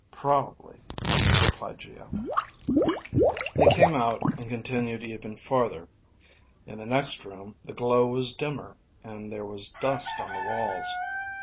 "Probably," replied Geo. They came out and continued even farther. In the next room the glow was dimmer, and there was dust on the walls.